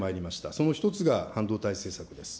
その一つが半導体政策です。